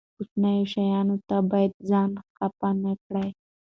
کوچنیو شیانو ته باید ځان خپه نه کړي.